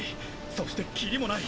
そしてキリもない。